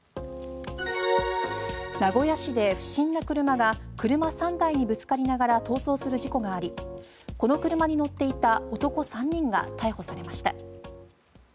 名古屋市で不審な車が車３台にぶつかりながら逃走する事故がありこの車に乗っていた男３人が逮捕されました。